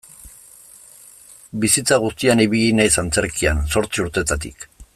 Bizitza guztian ibili naiz antzerkian, zortzi urtetatik.